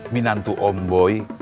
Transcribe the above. minantu om boy